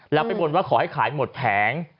แล้วไปบนว่าขอให้ขายหมดแผง